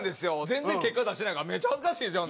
全然結果出してないからめっちゃ恥ずかしいんですよ。